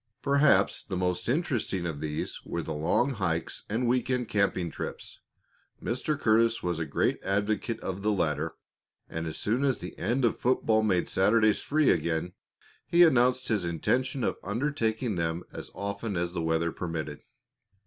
Perhaps the most interesting of these were the long hikes and week end camping trips. Mr. Curtis was a great advocate of the latter, and as soon as the end of football made Saturdays free again, he announced his intention of undertaking them as often as the weather permitted.